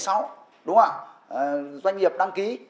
đúng không ạ doanh nghiệp đăng ký